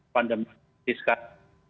pandemi ini sekarang